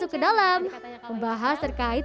ke dalam membahas terkait